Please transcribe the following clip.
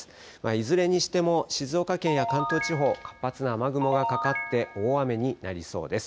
いずれにしても静岡県や関東地方、活発な雨雲がかかって、大雨になりそうです。